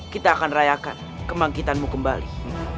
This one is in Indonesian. kita akan rayakan kebangkitanmu kembali